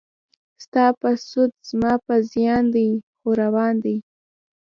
ستا په سود زما په زیان دی خو روان دی.